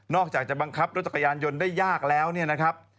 อกจากจะบังคับรถจักรยานยนต์ได้ยากแล้วเนี่ยนะครับ